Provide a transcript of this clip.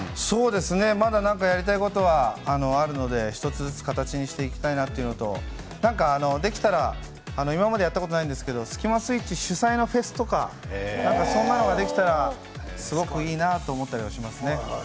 まだやりたいことはあるので、１つずつ形にしていきたいなというのとできたら今までやったことないですけどスキマスイッチ主催のフェスとかやってみたいなとできたらいいなと思っています。